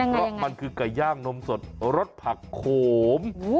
เพราะมันคือไก่ย่างนมสดรสผักโขม